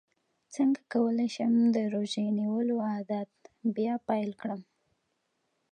څنګه کولی شم د روژې نیولو عادت بیا پیل کړم